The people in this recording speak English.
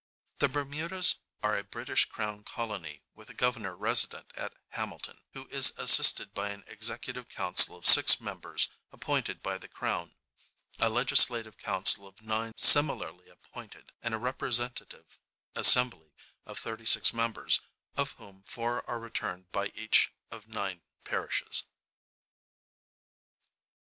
The Bermudas are a British crown colony, with a governor resident at Hamilton, who is assisted by an executive council of 6 members appointed by the crown, a legislative council of 9 similarly appointed, and a representative assembly of 36 members, of whom four are returned by each of nine parishes.